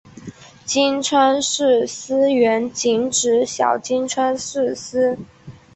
金川土司原仅指小金川土司。